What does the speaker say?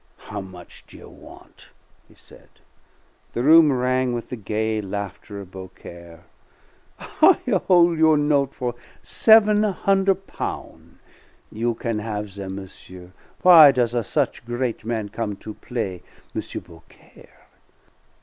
"How much do you want?" he said. The room rang with the gay laughter of Beaucaire. "I hol' your note' for seven hunder' pound'. You can have them, monsieur. Why does a such great man come to play M. Beaucaire?